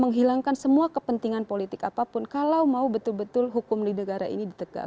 menghilangkan semua kepentingan politik apapun kalau mau betul betul hukum di negara ini ditegak